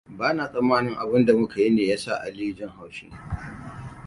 Bana tsammanin abinda muka yi ne ya sa Aliyu jin haushi.